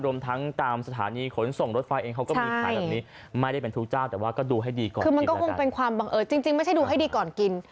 รวมทั้งตามสถานีขนส่งรถไฟเองเขาก็มีขายแบบนี้